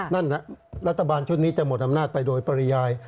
นั่นรัฐบาลชุดนี้จะหมดอำนาจไปโดยปริยาย